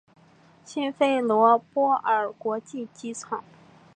辛菲罗波尔国际机场。